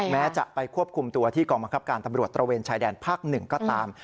แม้จะไปควบคุมตัวที่กองบังคับการตำรวจตระเวนชายแดนภาค๑ก็ตาม